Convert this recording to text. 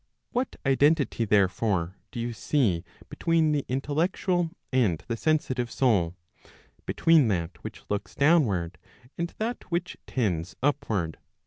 What identity, therefore, do you see between the intellectual and the sensitive soul, between that which looks downward, and that which tends upward